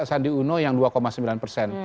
sandi uno yang dua sembilan persen